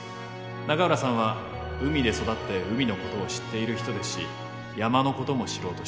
永浦さんは海で育って海のことを知っている人ですし山のことも知ろうとしている。